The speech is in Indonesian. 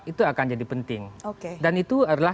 itu akan jadi penting dan itu adalah